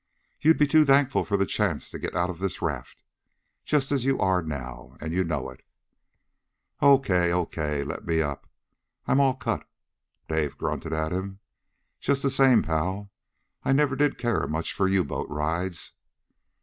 You'd be too thankful for the chance to get out of this raft, just as you are now. And you know it!" "Okay, okay, let me up; I'm all cut!" Dave grunted at him. "Just the same, pal, I never did care much for U boat rides."